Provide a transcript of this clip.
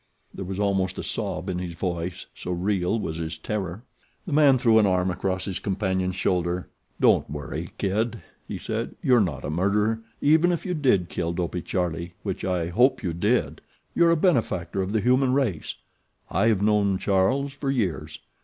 There was almost a sob in his voice, so real was his terror. The man threw an arm across his companion's shoulder. "Don't worry, kid," he said. "You're not a murderer even if you did kill Dopey Charlie, which I hope you did. You're a benefactor of the human race. I have known Charles for years.